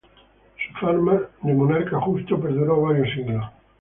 Su fama de monarca justo perduró varios siglos.